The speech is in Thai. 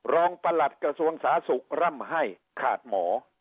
ประหลัดกระทรวงสาธารณกร่ำให้ขาดหมอ